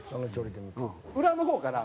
裏の方かな？